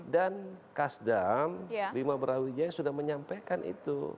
dan kasdam lima berawijaya sudah menyampaikan itu